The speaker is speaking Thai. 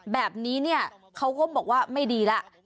แบบนี้เนี่ยเขาก็บอกว่าไม่ดีแล้ว